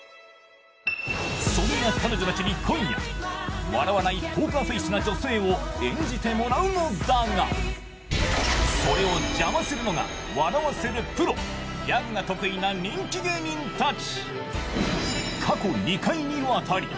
そんな彼女たちに今夜、笑わないポーカーフェースを演じてもらうのだがそれを邪魔するのが笑わせるプロ、ギャグが得意な人気芸人たち。